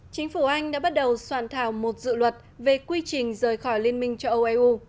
chính phủ anh đã bắt đầu soạn thảo một dự luật về quy trình rời khỏi liên minh châu âu eu